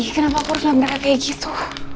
kenapa aku harus nantikan kayak gitu